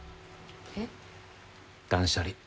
えっ？断捨離。